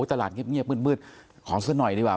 ตลาดเงียบขอเสื้อหน่อยดีกว่า